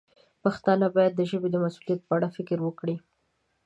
پښتانه باید د ژبې د مسوولیت په اړه فکر وکړي.